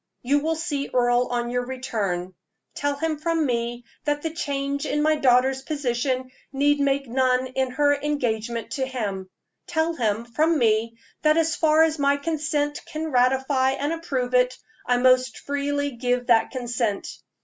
You will see Earle on your return; tell him from me that the change in my daughter's position need make none in her engagement to him; tell him, from me, that as far as my consent can ratify and approve it, I most freely give that consent.